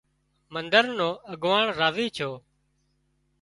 منۮر نو اڳواڻ راضي ڇو